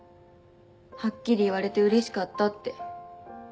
「はっきり言われてうれしかった」って。